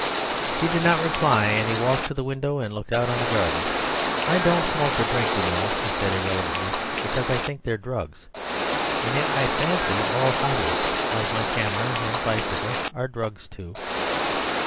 She did not reply, and he walked to the window and looked out on the garden. "I don't smoke or drink, you know," he said irrelevantly, "because I think they're drugs. And yet I fancy all hobbies, like my camera and bicycle, are drugs too.